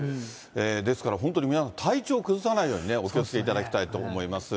ですから、本当に皆さん、体調崩さないようにお気をつけいただきたいと思います。